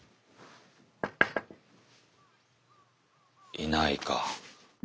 いないか。